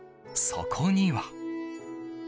そこには。